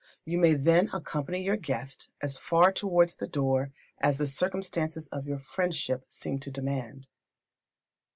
You may then accompany your guest as far towards the door as the circumstances of your friendship seem to demand.